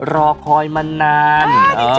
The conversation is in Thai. รอคอยมานาน